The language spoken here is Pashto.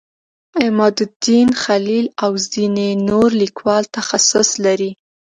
عمادالدین خلیل او ځینې نور لیکوال تخصص لري.